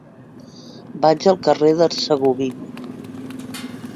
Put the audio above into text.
Vaig al carrer d'Hercegovina.